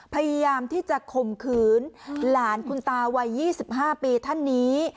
พยายามที่จะข่มขืนหลานคุณตาวัย๒๕ปีท่านนี้